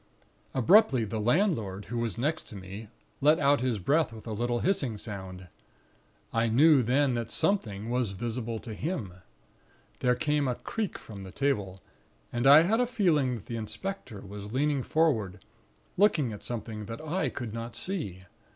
"Abruptly, the landlord, who was next to me, let out his breath with a little hissing sound; I knew then that something was visible to him. There came a creak from the table, and I had a feeling that the inspector was leaning forward, looking at something that I could not see.